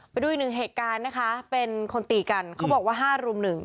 ไปดูอีกหนึ่งเหตุการณ์นะคะเป็นคนตีกันเขาบอกว่า๕รุม๑